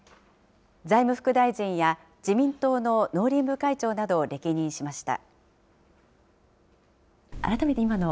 財務副大臣や自民党の農林部会長などを歴任しました。